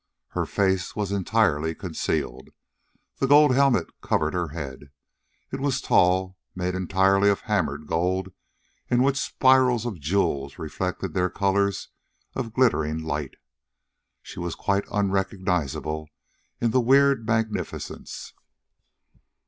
Her face was entirely concealed. The gold helmet covered her head. It was tall, made entirely of hammered gold in which spirals of jewels reflected their colors of glittering light. She was quite unrecognizable in the weird magnificence.